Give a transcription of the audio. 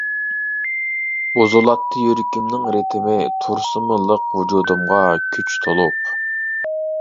بۇزۇلاتتى يۈرىكىمنىڭ رىتىمى، تۇرسىمۇ لىق ۋۇجۇدۇمغا كۈچ تولۇپ.